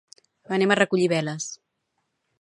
Anem a recollir veles